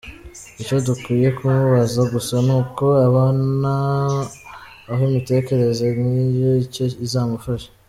Icyo dukwiye kumubaza gusa nuko abona aho imitekerereze nkiyo icyo izamufasha